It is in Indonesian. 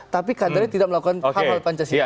tapi kadernya tidak melakukan hal hal pancasila